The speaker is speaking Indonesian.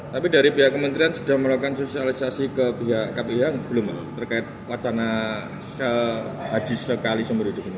tapi dari pihak kementerian sudah melakukan sosialisasi ke pihak kpi yang belum terkait wacana haji sekali seumur hidupnya